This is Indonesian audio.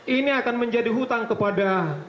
ini akan menjadi hutang kepada